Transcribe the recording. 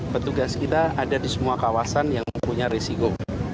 petugas kita ada di semua kawasan yang punya risiko